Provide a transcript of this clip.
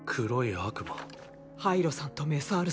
ハイロさんとメサールさん